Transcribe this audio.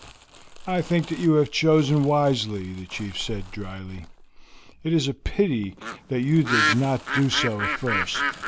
"I think that you have chosen wisely," the chief said dryly. "It is a pity that you did not do so at first.